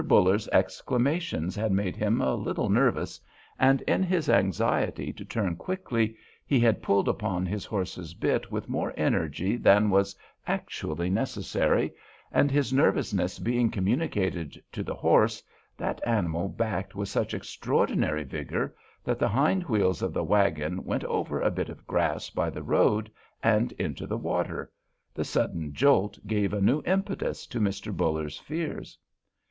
Buller's exclamations had made him a little nervous, and, in his anxiety to turn quickly, he had pulled upon his horse's bit with more energy than was actually necessary, and his nervousness being communicated to the horse, that animal backed with such extraordinary vigor that the hind wheels of the wagon went over a bit of grass by the road and into the water. The sudden jolt gave a new impetus to Mr. Buller's fears.